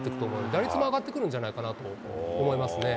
打率も上がってくるんじゃないかなと思いますね。